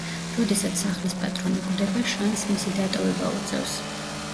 როდესაც სახლის პატრონი კვდება, შანსს მისი დატოვება უწევს.